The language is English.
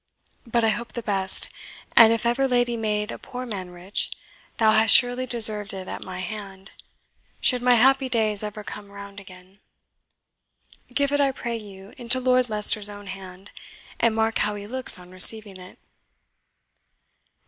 But I hope the best; and if ever lady made a poor man rich, thou hast surely deserved it at my hand, should my happy days ever come round again. Give it, I pray you, into Lord Leicester's own hand, and mark how he looks on receiving it."